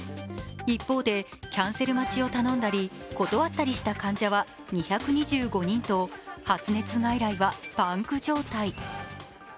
一方で、キャンセル待ちを頼んだり断ったりした患者は２２５人と発熱外来はパンク状態。